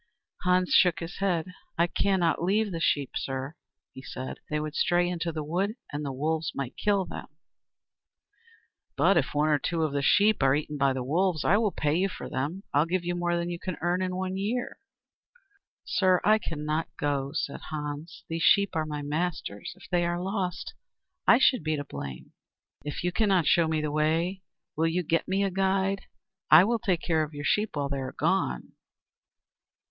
Hans shook his head. "I cannot leave the sheep, sir," he said. "They would stray into the wood, and the wolves might kill them." "But if one or two sheep are eaten by the wolves, I will pay you for them. I will give you more than you can earn in a year." "Sir, I cannot go," said Hans. "These sheep are my master's. If they are lost, I should be to blame." "If you cannot show me the way, will you get me a guide? I will take care of your sheep while you are gone."